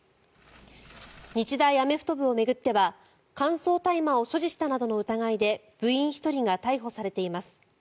日大アメフト部を巡っては乾燥大麻を所持したなどの疑いで部員１人が逮捕されています。